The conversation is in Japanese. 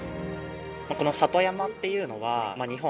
この里山っていうのは日本